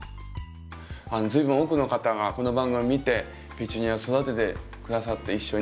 随分多くの方がこの番組を見てペチュニア育てて下さって一緒に。